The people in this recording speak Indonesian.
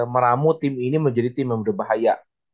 meramu tim ini menjadi tim yang berbahaya